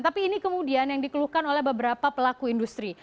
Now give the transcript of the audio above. tapi ini kemudian yang dikeluhkan oleh beberapa pelaku industri